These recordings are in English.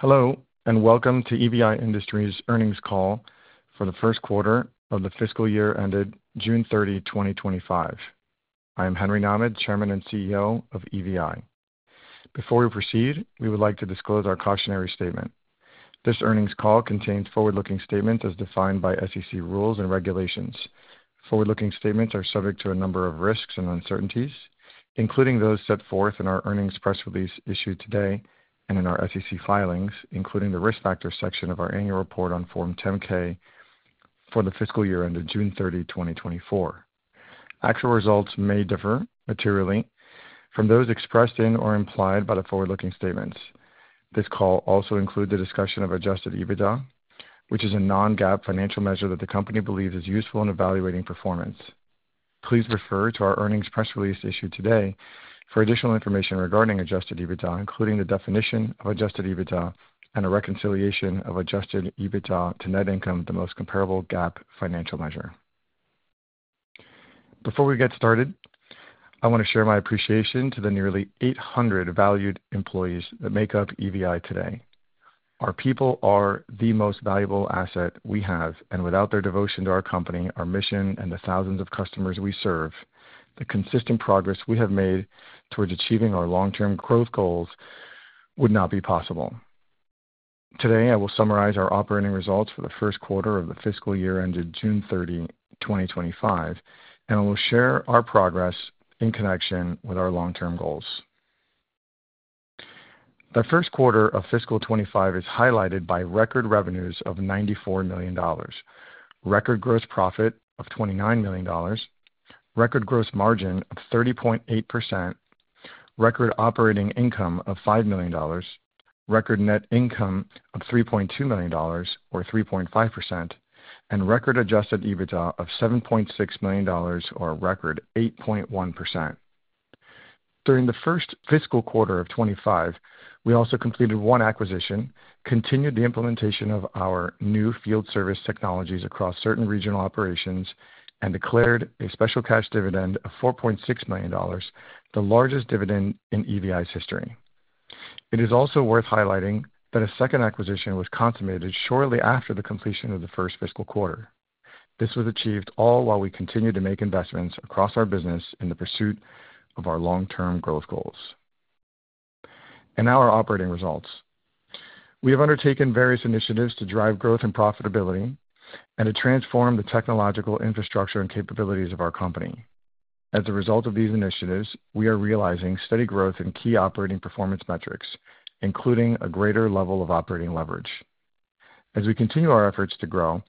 Hello, and welcome to EVI Industries' earnings call for the first quarter of the fiscal year ended June 30, 2025. I am Henry Nahmad, Chairman and CEO of EVI. Before we proceed, we would like to disclose our cautionary statement. This earnings call contains forward-looking statements as defined by SEC rules and regulations. Forward-looking statements are subject to a number of risks and uncertainties, including those set forth in our earnings press release issued today and in our SEC filings, including the risk factor section of our annual report on Form 10-K for the fiscal year ended June 30, 2024. Actual results may differ materially from those expressed in or implied by the forward-looking statements. This call also includes the discussion of Adjusted EBITDA, which is a non-GAAP financial measure that the company believes is useful in evaluating performance. Please refer to our earnings press release issued today for additional information regarding Adjusted EBITDA, including the definition of Adjusted EBITDA and a reconciliation of Adjusted EBITDA to net income, the most comparable GAAP financial measure. Before we get started, I want to share my appreciation to the nearly 800 valued employees that make up EVI today. Our people are the most valuable asset we have, and without their devotion to our company, our mission, and the thousands of customers we serve, the consistent progress we have made towards achieving our long-term growth goals would not be possible. Today, I will summarize our operating results for the first quarter of the fiscal year ended June 30, 2025, and I will share our progress in connection with our long-term goals. The first quarter of fiscal '25 is highlighted by record revenues of $94 million, record gross profit of $29 million, record gross margin of 30.8%, record operating income of $5 million, record net income of $3.2 million, or 3.5%, and record Adjusted EBITDA of $7.6 million, or a record 8.1%. During the first fiscal quarter of '25, we also completed one acquisition, continued the implementation of our new field service technologies across certain regional operations, and declared a special cash dividend of $4.6 million, the largest dividend in EVI's history. It is also worth highlighting that a second acquisition was consummated shortly after the completion of the first fiscal quarter. This was achieved all while we continued to make investments across our business in the pursuit of our long-term growth goals. Now our operating results. We have undertaken various initiatives to drive growth and profitability and to transform the technological infrastructure and capabilities of our company. As a result of these initiatives, we are realizing steady growth in key operating performance metrics, including a greater level of operating leverage. As we continue our efforts to grow,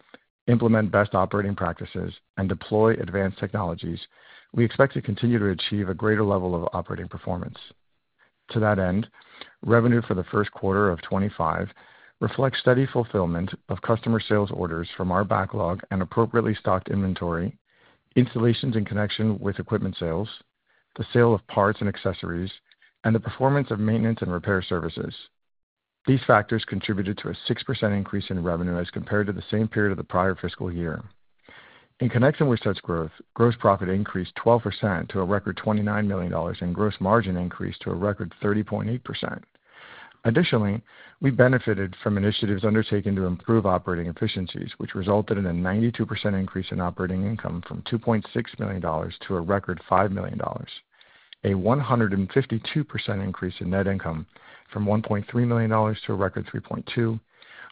implement best operating practices, and deploy advanced technologies, we expect to continue to achieve a greater level of operating performance. To that end, revenue for the first quarter of 2025 reflects steady fulfillment of customer sales orders from our backlog and appropriately stocked inventory, installations in connection with equipment sales, the sale of parts and accessories, and the performance of maintenance and repair services. These factors contributed to a 6% increase in revenue as compared to the same period of the prior fiscal year. In connection with such growth, gross profit increased 12% to a record $29 million and gross margin increased to a record 30.8%. Additionally, we benefited from initiatives undertaken to improve operating efficiencies, which resulted in a 92% increase in operating income from $2.6 million to a record $5 million, a 152% increase in net income from $1.3 million to a record $3.2 million,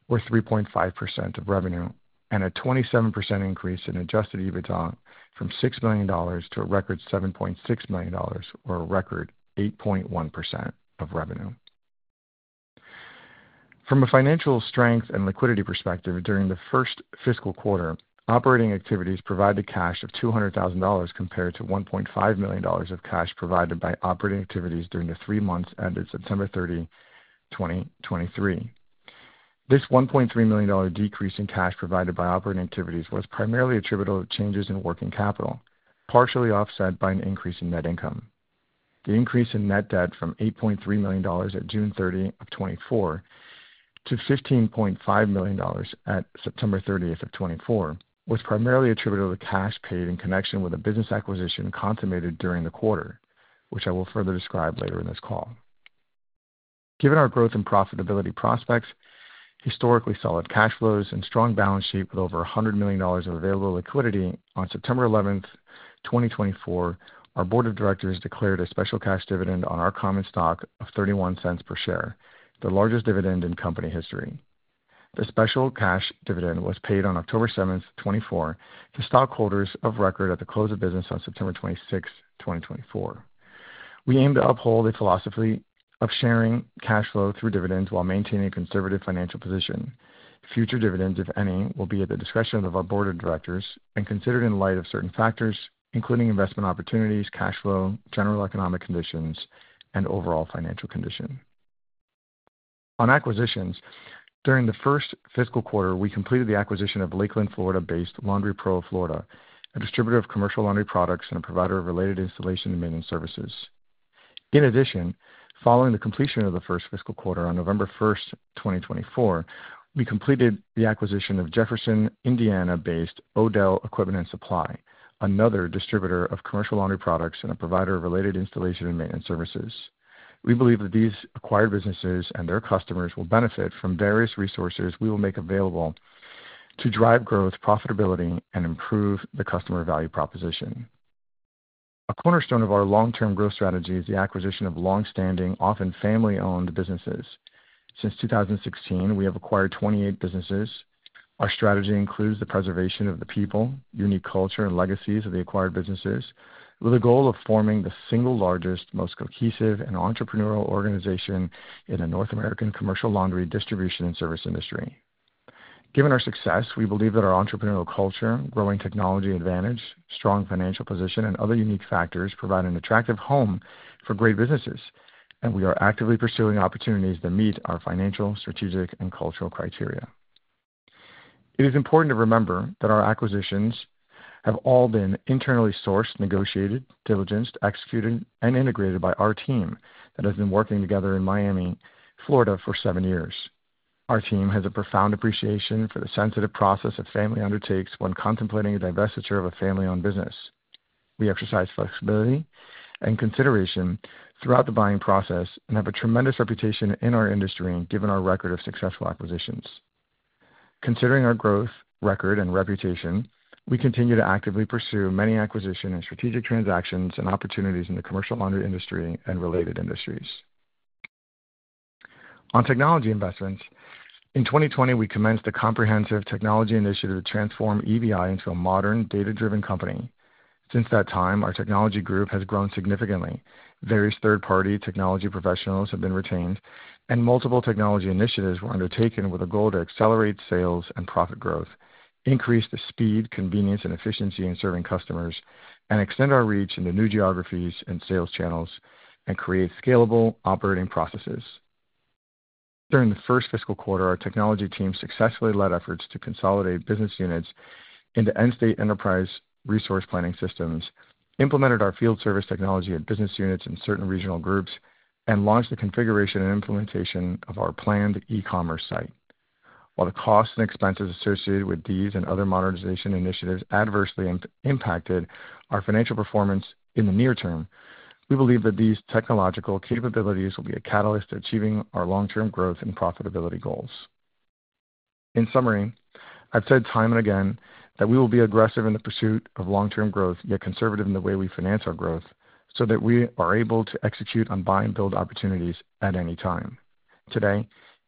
or 3.5% of revenue, and a 27% increase in Adjusted EBITDA from $6 million to a record $7.6 million, or a record 8.1% of revenue. From a financial strength and liquidity perspective, during the first fiscal quarter, operating activities provided cash of $200,000 compared to $1.5 million of cash provided by operating activities during the three months ended September 30, 2023. This $1.3 million decrease in cash provided by operating activities was primarily attributable to changes in working capital, partially offset by an increase in net income. The increase in net debt from $8.3 million at June 30, 2024 to $15.5 million at September 30th, 2024 was primarily attributable to cash paid in connection with a business acquisition consummated during the quarter, which I will further describe later in this call. Given our growth and profitability prospects, historically solid cash flows, and strong balance sheet with over $100 million of available liquidity, on September 11th, 2024, our board of directors declared a special cash dividend on our common stock of $0.31 per share, the largest dividend in company history. The special cash dividend was paid on October 7th, 2024, to stockholders of record at the close of business on September 26th, 2024. We aim to uphold the philosophy of sharing cash flow through dividends while maintaining a conservative financial position. Future dividends, if any, will be at the discretion of our board of directors and considered in light of certain factors, including investment opportunities, cash flow, general economic conditions, and overall financial condition. On acquisitions, during the first fiscal quarter, we completed the acquisition of Lakeland, Florida-based Laundry Pro of Florida, a distributor of commercial laundry products and a provider of related installation and maintenance services. In addition, following the completion of the first fiscal quarter on November 1st, 2024, we completed the acquisition of Jeffersonville, Indiana-based O'Dell Equipment and Supply, another distributor of commercial laundry products and a provider of related installation and maintenance services. We believe that these acquired businesses and their customers will benefit from various resources we will make available to drive growth, profitability, and improve the customer value proposition. A cornerstone of our long-term growth strategy is the acquisition of long-standing, often family-owned businesses. Since 2016, we have acquired 28 businesses. Our strategy includes the preservation of the people, unique culture, and legacies of the acquired businesses, with a goal of forming the single largest, most cohesive, and entrepreneurial organization in the North American commercial laundry distribution and service industry. Given our success, we believe that our entrepreneurial culture, growing technology advantage, strong financial position, and other unique factors provide an attractive home for great businesses, and we are actively pursuing opportunities that meet our financial, strategic, and cultural criteria. It is important to remember that our acquisitions have all been internally sourced, negotiated, diligenced, executed, and integrated by our team that has been working together in Miami, Florida, for seven years. Our team has a profound appreciation for the sensitive process a family undertakes when contemplating a divestiture of a family-owned business. We exercise flexibility and consideration throughout the buying process and have a tremendous reputation in our industry and given our record of successful acquisitions. Considering our growth, record, and reputation, we continue to actively pursue many acquisition and strategic transactions and opportunities in the commercial laundry industry and related industries. On technology investments, in 2020, we commenced a comprehensive technology initiative to transform EVI into a modern, data-driven company. Since that time, our technology group has grown significantly. Various third-party technology professionals have been retained, and multiple technology initiatives were undertaken with a goal to accelerate sales and profit growth, increase the speed, convenience, and efficiency in serving customers, and extend our reach into new geographies and sales channels, and create scalable operating processes. During the first fiscal quarter, our technology team successfully led efforts to consolidate business units into end-state enterprise resource planning systems, implemented our field service technology and business units in certain regional groups, and launched the configuration and implementation of our planned e-commerce site. While the costs and expenses associated with these and other modernization initiatives adversely impacted our financial performance in the near term, we believe that these technological capabilities will be a catalyst to achieving our long-term growth and profitability goals. In summary, I've said time and again that we will be aggressive in the pursuit of long-term growth, yet conservative in the way we finance our growth, so that we are able to execute on buy-and-build opportunities at any time. Today,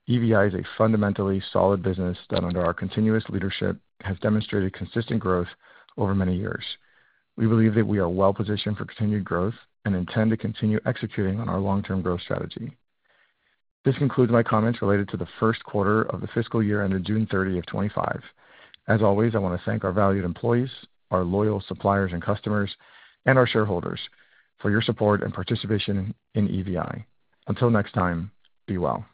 EVI is a fundamentally solid business that, under our continuous leadership, has demonstrated consistent growth over many years. We believe that we are well-positioned for continued growth and intend to continue executing on our long-term growth strategy. This concludes my comments related to the first quarter of the fiscal year ended June 30 of 2025. As always, I want to thank our valued employees, our loyal suppliers and customers, and our shareholders for your support and participation in EVI. Until next time, be well.